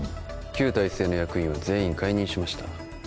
旧体制の役員は全員解任しました